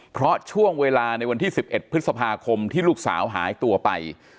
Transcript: เพราะช่วงเวลาในวันที่๑๑พฤษภาคมที่ลูกสาวหายตัวไป